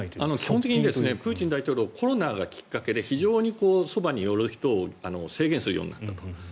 基本的にプーチン大統領コロナがきっかけで非常に、そばに寄る人を制限するようになったと。